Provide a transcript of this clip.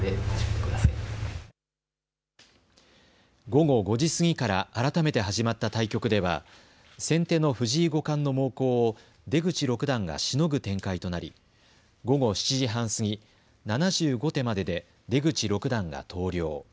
午後５時過ぎから改めて始まった対局では、先手の藤井五冠の猛攻を出口六段がしのぐ展開となり、午後７時半過ぎ、７５手までで出口六段が投了。